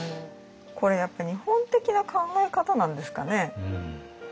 これやっぱ日本的な考え方なんですかね。